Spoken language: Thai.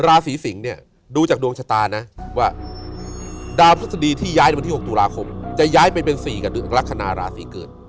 ราศีสิงศ์เนี่ยดูจากดวงชะตานะว่าดาวพฤษฎีที่ย้ายในวันที่๖ตุลาคมจะย้ายไปเป็น๔กับลักษณะราศีเกิด